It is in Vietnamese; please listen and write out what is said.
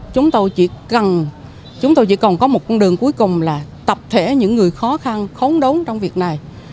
chúng tôi chỉ còn có một con đường cuối cùng là tập thể những người khó khăn khó đấu trong việc này